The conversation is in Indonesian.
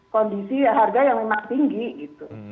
kondisi harga yang memang tinggi gitu